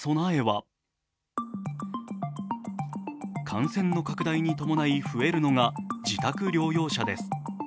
感染の拡大に伴い増えるのが自宅療養者です。